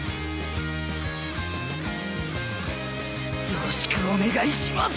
よろしくお願いします。